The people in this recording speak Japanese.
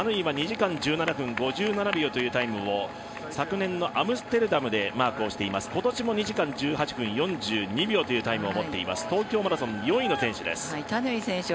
タヌイは２時間１７分５７秒というタイムを昨年のアムステルダムでマークをしています、今年も２時間１８分４２秒というタイムを持っています。